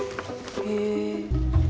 へえ。